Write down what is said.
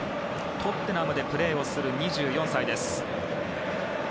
トッテナムでプレーする２４歳です。